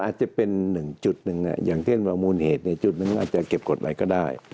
ก็อาจจะเป็นหนึ่งจุดนึงอย่างเทศประมูลเหตุเนี่ยจุดนึงอาจจะเก็บกฎไว้ก็ได้